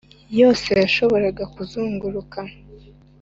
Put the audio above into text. yose yashoboraga kuzunguruka